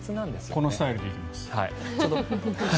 このスタイルで行きます。